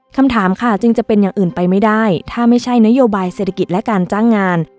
คำถามค่ะจึงจะเป็นอย่างอื่นไปไม่ได้ถ้าไม่ใช่นโยบายเศรษฐกิจและการจ้างงาน